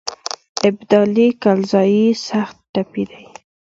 ابدال کلزايي سخت ټپي دی.